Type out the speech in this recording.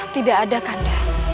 tidak ada kanda